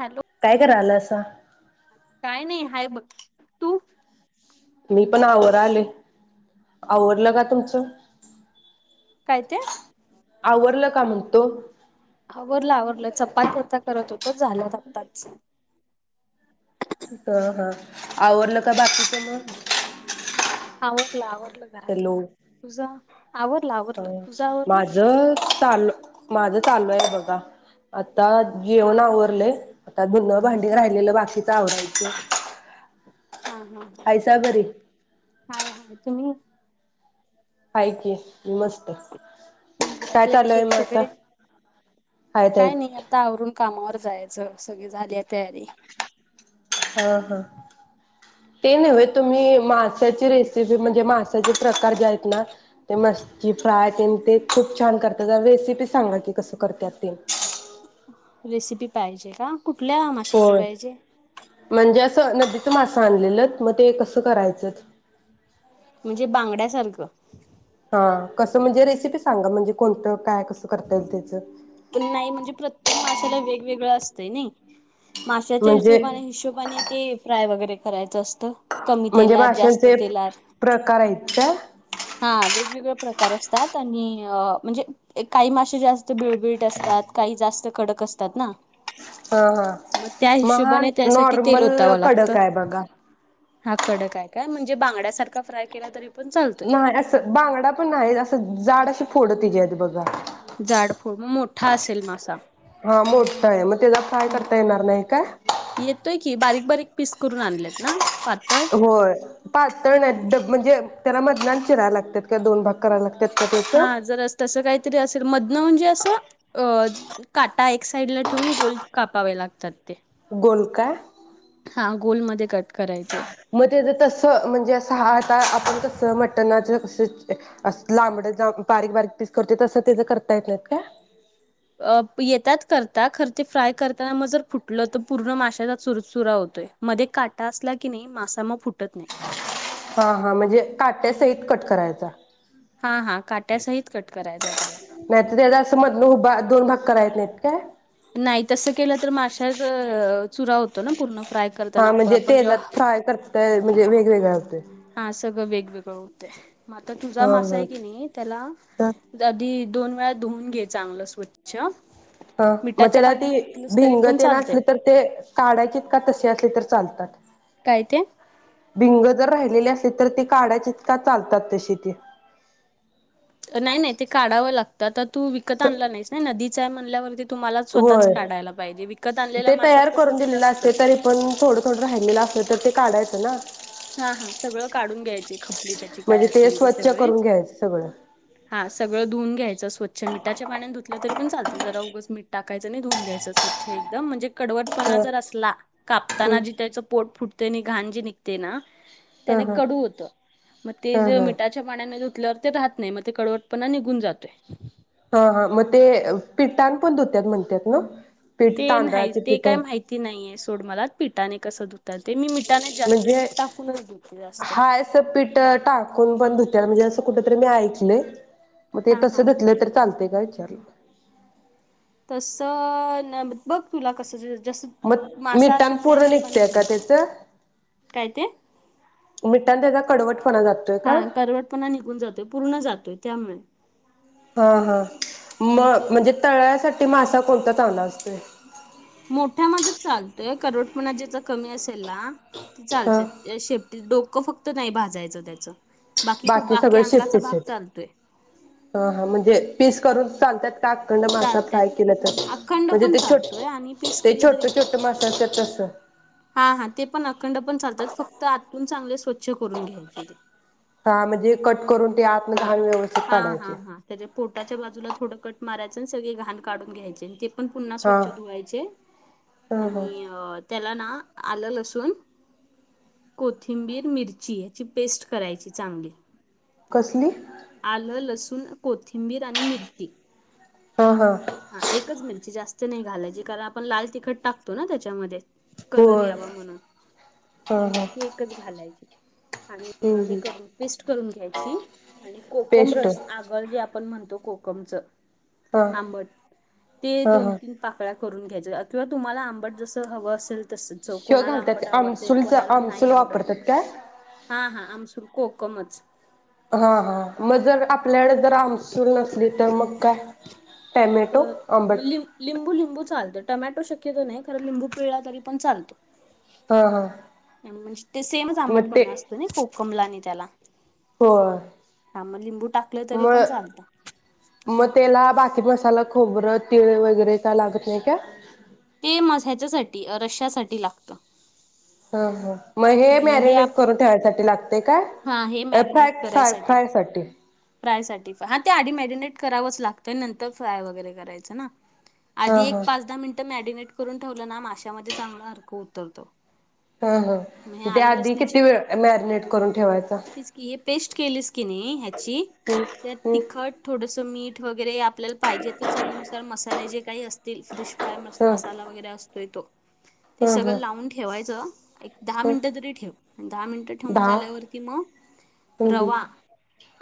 Hello काय करा आलास त्ता काय नाही हाय बघ तू मी पण आवरालोय आवरवरलं का तुमचं? काय ते, आवरलं का म्हणतो? आवरलं आवरलं चपात्या आता करत होतो झाल्यात आत्ताच ह हा आवरलं का बाकीच मग आवरला आवरल हॅलो आवरलं आवरलं तुझं आवरलं माझ चाल माझ चालू आहे बघ अच्- आता हा घेऊन हा आवरले आता भुनन भांडी हा राहिलेलं बाकीच आवडयचं हा हा हा. आहेयचा बरी. हाय हाय तुम्ही आहे की. आहे मस्त काय घरातले चालू कश आहे मग आता? सगळे आहेत काय नाही आहेत. आता आवरून कामावर जायचं सगळी झाली आहे तयारी ह हा. ते नव्हे तुम्ही मासाची रेसिपी म्हणजे मासाचे प्रकार जे आहेत ना ते मस् फ्राय ते ते खूप छान करतात तर रेसिपी सांगा की कस करत ते. रेसिपी पाहिजे का? कुठल्या माशाची होय. पाहिजे? म्हणजे असं नदीच मासं आणलेलं मग ते कसं करायचं. म्हणजे बांगड्यासारखं? हा कसं म्हणजे रेसिपी सांगा म्हणजे कोणतं काय कसं करता येईल त्याचं. पण नाही म्हणजे प्रत्येक माशाला वेगवेगळं असतंय ना माश्याच्या म्हणजे हिशोबाने हिशोबाने ते फ्राय वगैरे. करायचं असत. कमी म्हणजे तेलात जास्त माशांचे तेलात प्रकार आहेत काय? हा वेगवेगळ्या प्रकार असतात म्हणजे काही मा जात बीळ बीळ - असतात काही जास्त कडक असतात ना. हा हा मग त्या मग हा हिशोबाने त्यासाठी तेल नॉर्मल ओतावं लागतं. कडक आहे बघा. हा कड काय काय म्हणजे बांगड्यासारखा फ्राय केला तरी. पण चालतोय नाही असं बांगडा पण नाही असं झाडशी फोडं तिच्याे आधी बघा. झाड फोड म मोठा असेल मासा हा मोठा आहे मग त्याला फ्राय करता येणार नाही काय? येतोय की बारीक बारीक पीस करून आणलेत ना. पातळ होय पातळ नाहीत, म्हणजे त्याला मधला चिराय लागत का दो भाग कराय लागात- हा जर तस काहीतरी असेल म न म्हणजे असं अ काटा एक साइडला ठेवून गोल कापावे लागतात ते. गोल काय? हा गोलमध्ये कट करायचे. म तेज तस म्हणजे अस हा आता आपण कस मटणाच. अस लांबड बारीक बारीक पीस करतोय तसं त्याच करता येतय काय? अ येतात करता खर ते फ्राय करताना म जर फुटलं तर पूर्ण माशचा चुरचुरा होतोय मध्ये काटा असला की नाही मासा मग फुट हा हा म्हणजे काट्या सहित कट करायचा. हा हा काट्यासहित कट करायचा त्याला. नाहीतर [unintelligible] दोन भाग कराय येत नाहीत काय? नाही तस केलं तर माशाच चुरा होतो ना पूर्ण. फ्राय करताना हा आप- म्हणजे आपण तेलत जेव्हा फ्राय करतय म्हणजे वेगवेगळं हा सगळं वेगवेगळं होत. म आता तुझा मासा हा आहे की नाही त्याला हा. आधी दोन वेळा धुवून घे चांगलं स्वच्छ. हा म मिठाच्या त्याला ते पाण्याने धुतलंस तरी पण भिंगतेन चालतंय असली तर ते काढायचेत का तसे असले तर चालतात. काय ते भिंग राहिलेली असली तर ते काढायची का चालतात तशी ती? नाही नाही ते काढावं लागत. आता. तू विकत आणला नाहीस ना नदी चा म्हणल्यावरती. तुम्हाला स्वतःच होय, काढायला पाहिजे विकत आणलेल्या ते माशात तयार कसं करून ते दिलेलं असते नसतं तरी पण थोडं थोडं राहिलेलं असल तर ते काढायच? ना. हा हा सगळं काढून घ्यायची खपली त्याची म्हणजे काय ते असेल ती स्वच्छ करून सगळीच, घ्यायचं सगळं. हा. सगळ धूऊन घ्यायचं. स्वचछ मिठाच्या पाण्याने धधुतलं तरी पण चालत. ते जरा उगच मीठ टाकायचं आणि धऊन घ्यायचं स्वच्छ एकदम म्हणजे कडवटपणा ह जर असला ह कापना जे त्या पोट फूट त्यांनी घाण जे निघ ते ना. त्याने ह कडू होत, म ते ह जे ह. मिठाच्या पाण्याने धुत धुतल ते राहत नाही, म ते कडवटपणा निघून जातोय. हा हा म ते पीठाने पण धुत्यात म्हणतात ना. पीठ ते नाही तांदळाचे ते पीठ काय माहिती नाहीये सोड मला पिठाने कस धूत म्हणजे, धुते जास्त हायस पीठ टाकून पण धुत्यात म्हणजे अस कुठतरी मी ऐकलय. म ते हा तस हा धुतलं तर चालतय विचारलं- तस ना बघ तुला कस- जस मग मासा मिठान असेल त्या पूर्ण हिशोबाने निघतंय का धू. त्याचं? काय ते? मिठान त्याचा कडवटपणा जातोय का? हा कडवटपणा निघून जातो पूर्ण जातो त्यामुळे- हा हा म मग ते म्हणजे तळायसाठी- मासा कोणता चांगला असतो? मोठ्यामध्ये चालतोय कडवटपणा ज्याचा- कमी असेल ना ते हा चालत त्ये शेप- डोकं फक्त नाही भाजायचं त्याचं. खूप बाकी सगळे शेपटी अंगाचा चय, भाग चालतोय हा-म्हणजे पीस करून- चालतात. [unintelligible] मासा फ्राय चालतच केला तर अखंड म्हणजे पण ते छोट, चालतोय आणि पीस ते केलं तरी छोट छोट मास असत्यात तस हा हा ते पण अखंड पण चालतात फक्त आतून चांगले स्वच्छ करून घ्यायचे ते. हा म्हणजे कट- करून ते आतनं हा घाण व्यवस्थित हा काढायचे. हा हा त्याच्या पोटाच्या बाजूला थोडं कट माराय- सगळी घाण काढून घ्यायची न ते- पण पुन्हा हा स्वच्छ धुवायचे, हा हा. आणि त्याला ना? आलं, लसून, कोथिंबीर, मिरची ह्याची पेस्ट करायची चांगली. कसली? आलं लसून- कोथिंबीर आणि मिरची. हा हा हा- एकच मिरची जास्त- नाही घालायचे कारण आपण लाल तिखट टाकतो ना त्याच्यामध्ये, कलर होय. यावा म्हणून, हा हं हा -एकच घालायची. आणि हम्म हे हम्म करून पेस्ट करून घ्यायची- आणि कोकम पेस्ट रस आगळ जे- आपण म्हणतो कोकमच- हा आंबट. ते हा दोन हा. तीन पाकळ्या करून घ्याय- किंवा तुम्हाला आंबट जसं हवं असेल- तस ह्य कोणाला घालतात आंबट आवडतय आमसूलचा कोणाला नाही आमसूल आवडत वापरतात काय? हा हा आम सुर- कोकमच- हा हा मग जर का - जर आमसूल नसली तर म काय टॉमेटो तर आंबट- टोमॅटो शक्यतो नाही, कारण लिंबू पिळला तरीपण चालतो. हा हा म्हणजे ते सेमच मग ते आंबटपणा असतो ना कोकमला आणि- [unintelligible] होय हा म लिंबू टाकले तरी- पण चालतं मग त्याला बाकी किती मसाला खोबरं तिळ वगैरे का लागत नाही का. ते म ह्याच्यासाठी रश्यासाठी लागतं. ह ह मग हे म्हणजे हे मॅरिनेट आप करून ठेवायसाठी लागते काय हा हे मॅरिनेट फ्राय फाय करायसाठी फ्राय साठी फ्रायसाठी हा ते आधी मॅरिनेट करावंच लागतंय नंतर फ्राय वगैरे करायचं ना. हा आधी एक हा पाच दहा मिनिटं मॅडीनेट करून ठेवलं ना माशामध्ये चांगला अर्क उतरतो. हा हा मग त्या आलं आधी लसणीची किती वेळ मॅरिनेट करून ठेवायचा तीच की हे पेस्ट केलीस की नाही ह्याची हम् त्यात हम् तिखट थोडस मीठ वगैरे आपल्याला पाहिजे तर चवीनुसार मसाले जे काही असतील फिश वायम मस्त ह मसाला वगैरे असतो य तो ते ह सगळं ह लावून ठेवायच. दहा ह मिनिटं तरी ठेव दहा मिनिटं ठेवून दहा झाल्यावरती मग हम् हम् रवा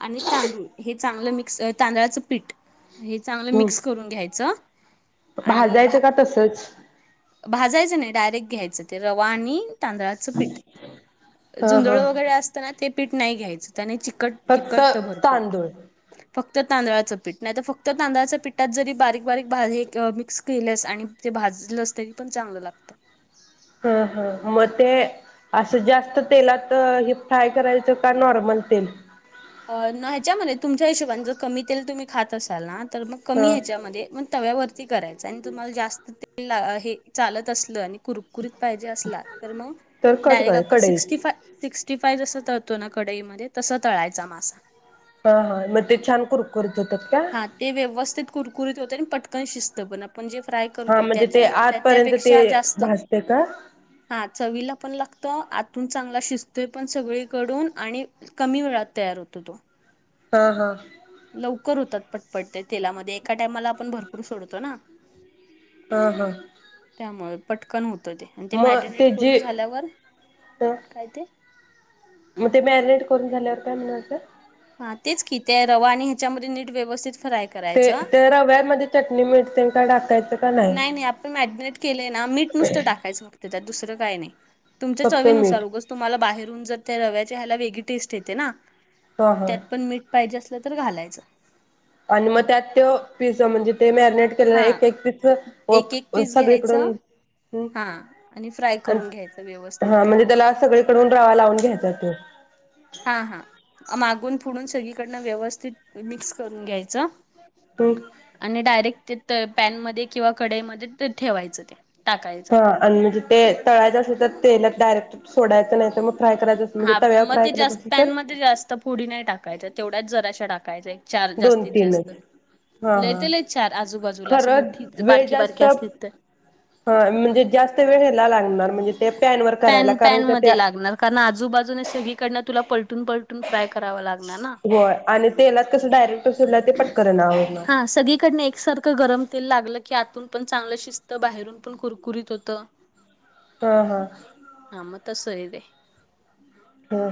आणि तांदूळ हे चांगलं मिक्स तांदळाचं पीठ हे चांगलं हम् मिक्स करून घ्यायचं आणि भा भाजायचं का तसच भाजायचं नाही डायरेक्ट घ्यायचं ते रवा आणि तांदळाच पीठ हा जुंदळ हा वैगरे असताना ते पीठ नाही घ्यायचं. त्याने चिकट फक्त चिकट तर भरपूर तांदूळ फक्त तांदळाचं पीठ नाही तर फक्त तांदळाच्या पीठात जरी बारीक बारीक भा हे मिक्स केलेस आणि ते भाजलंस तरी पण चांगलं लागत. हा हा मग ते असं जास्त तेलात हे फ्राय करायचं का नॉर्मल तेल ह्याच्यामध्ये तुमच्या हिशोबच कमी तेल तुम्ही खात असाल ना तर मग कमी हा ह्याच्यामध्ये मग तव्यावरती करायचं आणि तुम्हाला जास्त तेल ला हे चालत असलं आणि कुरकुरीत पाहिजे असला तर मग तर कट डायरेक्ट काय आपण सिक्स्टी कढईत फाय सिक्स्टी सिक्सटी फाय जसं कढईमध्ये तळतोना तसं तळायचे. चा मासा हा हा म ते छान कुरकुरीत होतात का हा ते व्यवस्थित कुरकुरीत होते आणि पटकन शिस्त पण आपण आपण जे फ्राय हा करतो म्हणजे त्याच्या ते त्या आतपर्यंत ते त्यापेक्षा जास्त भाजते का हा चवीला पण लागत आतून चांगला शिजतोय पण सगळीकडून आणि कमी वेळात तयार होतो तो हा हा लवकर होतात पटपट ते तेलामध्ये एका टायमाला आपण भरपूर सोडतो ना हा हा त्यामुळ. पटकन ते मग मॅरिनेट ते करून जे झाल्यावर काय ते मग ते मॅरिनेट करून झाल्यावर काय म्हणालतात हा तेच किती आहे रवा आणि ह्याच्यामध्ये नीट व्यवस्थित फ्राय ते करायचं त्या रव्यामध्ये चटणी मीठ ते काय टाकायच नाही नाही आपण मॅगिनेट केलय ना मीठ नुसतं टाकायचं फक्त त्यात दुसरं काही नाही. तुमच्या फक्त चवीनुसार मीठ उगच तुम्हाला बाहेर जे त्या रव्याच्या ह्याला वेगळी टेस्ट येते ना हा हा त्यात पण मीठ पाहिजे अस तर घालायचं. आणि मग त्यात त्यो पिझा म्हणजे ते मॅरिनेट केलेलं हा एक एक पस एक एक होती पीस सगळीकडून घ्यायचं हा आणि फ्राय [inaudible] करून घ्यायचं व्यवस्थित हा ते म्हणजे त्याला सगळीकडून रवा लावून घ्यायचा तो. हा हा. मागून पुडुन सगळीकडनं व्यवस्थित मिक्स करून घ्यायचं हम्म आणि डायरेक्ट ते त पॅनमध्ये किंवा कढईमध्ये ते ठेवायचं ते [inaudible] टाकायचं ह आणि जे ते तळायच असल तर तेलात डायरेक्ट सोडायचं नाही तर म हा मग ते जास्त पॅन मध्ये जास्त फोडी नाही टाकायच्या तेवढ्याच जराश्या टाकायचे दोन तीनच ह लय ह ते लय चार आजूबाजूला असं खरच मोठी वेळ बारकी जास्त बारकी असली तर ह म्हणजे जास्त वेळ ह्याला लागणार म्हणजे ते पॅनवर [inaudible] करायला पॅन कारण का पॅनमधी त्या लागणार कारण आजूबाजूने सगळीकडन तुला पलटून पलटून फ्राय करावा लागणार ना होय आणि तेला कस डायरेक्टड ते पटकरण आवरणार. हा सगळीकडन एकसारखं गरम तेल लागलं की आतून पण चांगलं शिजत बाहेरून पण कुरकुरीत होत. हम्म हम्म. तसंये ते.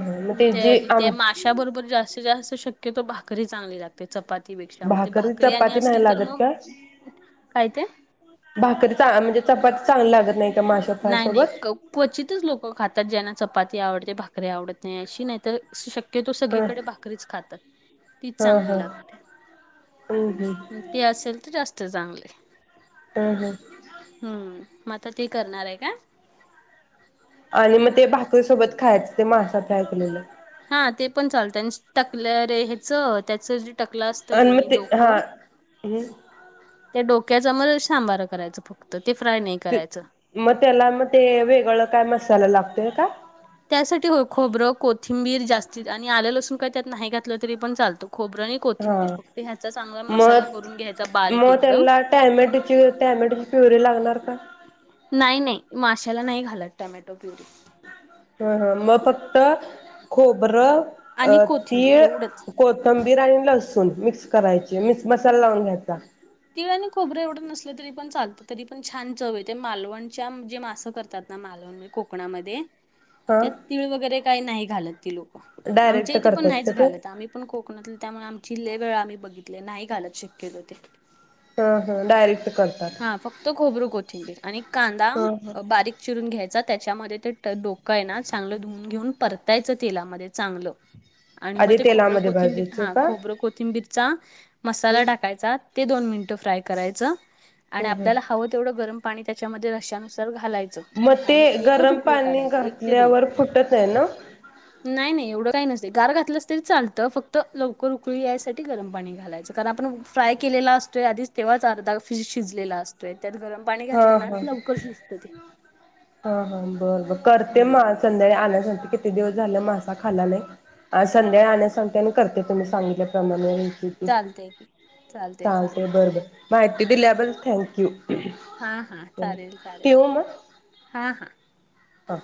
हा मग ते जे आदी आम ते माश्या बरोबर जास्तीत जास्त शक्यतो भा करी चांगली लागते. चपातीपेक्षा म ते भाकरी आणि चपाती असली नाही तर लागत मग, का? काय ते. भाकरी चा म्हणजे चपाती चांगली लागत नाही. का माशा फ्राय नाही नाही सोबत? क्वचितच लोक खातात ज्यांना चपाती आवडते भाक री आवडत नाही अशी नाही तर शक तो ह सगळीकडे भाकरीच खातात तीच हा हा चांगली लागते हम्म हम्म ते असेल तर जास्त. चांगले. हम् हम्म. म आता ते- करणार आहे का? आणि मग ते भाकरीसोबत खायचं ते मासा तयार केलेलं. हा ते पण चालतं आणि टाकलं रे ह्याच त्याच टेकलेलं असतं आणि किनी मग ते हा डोकं हम्म ते डोकं. त्याच आम्हाला सांबार करायचं फक्त. ते फ्राय नाही ते करायचं. मग त्याला मग ते वेगळं काय मसाला लागतो. ते का. त्यासाठी होय खोबरं कोथिंबीर जास्तीत आणि आलं लसून काही त्यात नाही घातलं तरी पण चालतो. खोबरं आणि हा कोथिंबीर फक्त ह्याचा चांगला मसाला करून घ्यायचा मग बारीक मग एकदम त्याला टॅमेटोची टॅमेटोची प्युरीे लागणार. बं [inaudible] नाही नाही माशाला नाही घालत टोमॅटो प्युरी. हा हा मग फक्त खोबरं. अ आणि कोथिंबीर तीळ एवढंच कोथंबीर आणि लसूण. मिक्स करायचे मिक्स मसाला लावून घ्यायचा. तिळ आणि खोबरं एवढं नसलं तरी पण चालतं तरी पण छान चव येते मालवणच्या जे मासं करतात ना मालवण म कोकणामध्ये. हा त्यात तीळ वगैरे. काही नाही घालत ती लोक. आमच्या डायरेक्ट इथे पण करतात का नाहीच ते? घालत आम्ही पण कोकणातले त्यामुळे आमची लय वेळा आम्ही बघितलंय नाही घालत शक्यतो ते. हा हा डायरेक्ट करतात. हा फक्त खोबरं कोथिंबीर आणि कांदा हा हा बारीक चिर घ्यायचा त्याच्यामध्ये ते डोकं आहे ना चांगलं धुून घेऊन परतायचं तेलामध्ये चांगलं. आणि मग आधी ते खोबरं तेलामध्ये कोथिंबीर भाजायचे हा का? खोबरं कोथिंबीर. चा. मसाला हम्म टाकायचा. ते दोन मिनिटं फ्राय करायचं. आणि आपल्याला हम्म हवं तेवढं गरम. पाणी त्याच्यामध्ये रस्यानुसार घाल. म ते गरम पाणी काढायची एक ते दोन घातल्यावर, फुटत नाही ना? काय नसतंय गार घातलंस तरी चालतं, फक्त लवकर उकळी यासाठी गरम पाणी घालायचं. कारण आपण फ्राय केलेला असतोय आधीच तेंव्हाच अर्धा फिश शिजलेला असतोय. त्यात गरम पाणी हा हा घातलं ना लवकर शिजतं ते हा हा बर बर करते म, हम्म आज संध्याळी आणाय सांगते कि किती दिवस झालं मासा खाल्ला नाही, आज संध्याळी आणाय सांगते आणि करते तुम्ही सांगितल्या प्रमाणे. चालतंय की चालतंय चालते, चालतंय बर बर. माहिती दिल्याबल थँक्यू. हा हा चालेल चालेेल, हा हा. अ